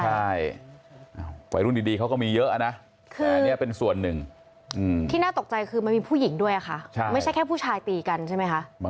ใช่วัยรุ่นดีเขาก็มีเยอะนะอันนี้เป็นส่วนหนึ่งที่น่าตกใจคือมันมีผู้หญิงด้วยค่ะไม่ใช่แค่ผู้ชายตีกันใช่ไหมคะ